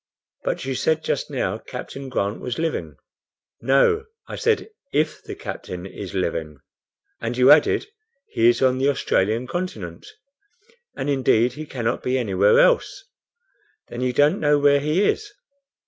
"But you said just now, Captain Grant was living." "No, I said, 'if the captain is living.'" "And you added, 'he is on the Australian continent.'" "And, indeed, he cannot be anywhere else." "Then you don't know where he is?"